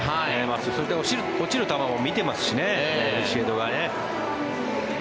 それと落ちる球も見ていますしねビシエドがね。